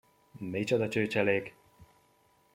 Micsoda csőcselék!